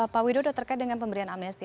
pak widodo terkait dengan pemberian amnesti